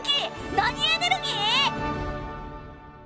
何エネルギー！？